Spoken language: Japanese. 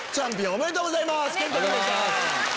ありがとうございます！